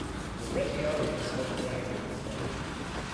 The "retiarius" held the dagger in his left hand.